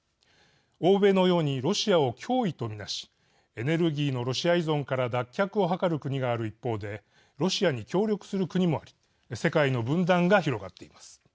欧米のようにロシアを脅威と見なしエネルギーのロシア依存から脱却を図る国がある一方でロシアに協力する国もあり世界の分断が広がっています。